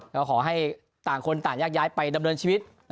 ก็ขอให้ต่างคนต่างแยกย้ายไปดำเนินชีวิต